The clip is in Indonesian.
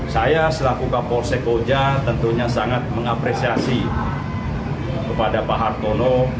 saya selaku kapolsek koja tentunya sangat mengapresiasi kepada pak hartono